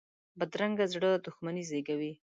بدرنګه زړه دښمني زېږوي